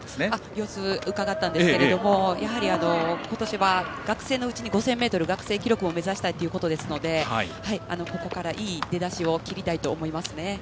様子をうかがったんですがやはり今年は学生のうちに５０００ｍ、学生記録を目指したいということなのでここからいい出だしを切りたいと思いますね。